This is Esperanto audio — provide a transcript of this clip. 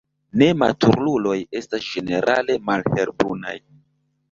Nematuruloj estas ĝenerale malhelbrunaj.